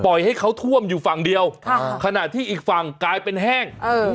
ให้เขาท่วมอยู่ฝั่งเดียวขณะที่อีกฝั่งกลายเป็นแห้ง